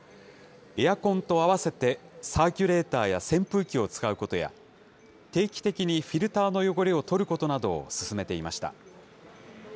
エアコンとあわせて、サーキュレーターや扇風機を使うことや、定期的にフィルターの汚れを取ることなどを勧めていました。